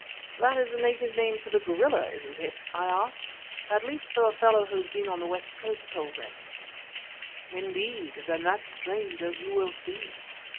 "That is a native name for the gorilla, isn't it?" I asked. "At least so a fellow who had been on the West Coast told me." "Indeed, then that's strange, as you will see.